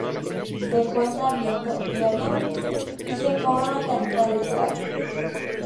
Se encuentra abierto diariamente y se cobra una tarifa de entrada.